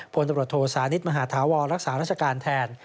ผ้านตำรวจโทสานิศมหาธาวรรณรักษารักษาการแทน